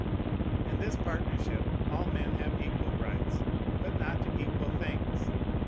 In this partnership all men have equal rights; but not to equal things.